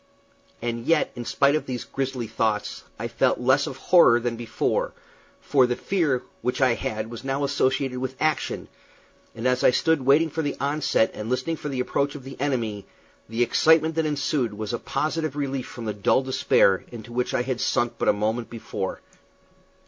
And yet, in spite of these grisly thoughts, I felt less of horror than before, for the fear which I had was now associated with action; and as I stood waiting for the onset and listening for the approach of the enemy, the excitement that ensued was a positive relief from the dull despair into which I had sunk but a moment before.